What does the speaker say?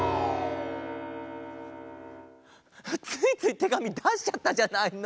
ついついてがみだしちゃったじゃないの。